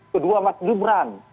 kedua mas gibran